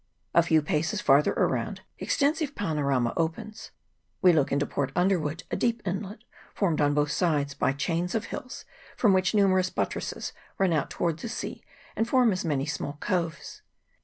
A few paces farther another extensive panorama opens : we look into Port Underwood, a deep inlet, formed on both sides by chains of hills, from which numerous buttresses run out towards the sea, and form as many small coves.